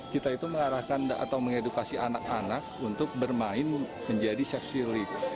kita itu mengarahkan atau mengedukasi anak anak untuk bermain menjadi chef cilik